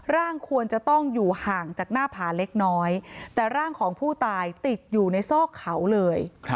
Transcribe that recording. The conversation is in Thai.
ร่างควรจะต้องอยู่ห่างจากหน้าผาเล็กน้อยแต่ร่างของผู้ตายติดอยู่ในซอกเขาเลย